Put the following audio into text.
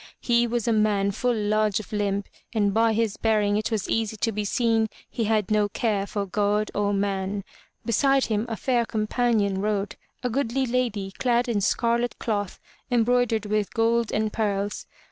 He was a man full large of limb and by his bearing it was easy to be seen he had no care for God or man. Beside him a fair com panion rode, a goodly lady clad in scarlet cloth embroidered with gold and pearls.